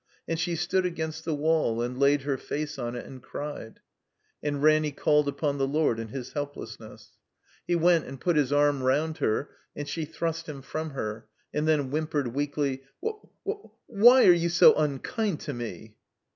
And she stood against the wall and laid her face on it and cried. And Ranny called upon the Lord in his helpless ness. THE COMBINED MAZE He went and put his arm round her, and she thrust him from her, and then whimpered weakly : "Wh — wh — wh — why are you so unkind to me?"